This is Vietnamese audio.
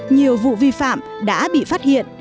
nhiều vụ vi phạm đã bị phát hiện